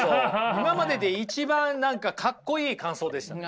今までで一番何かかっこいい感想でした。